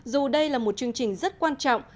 dù đây là một chương trình rất quan trọng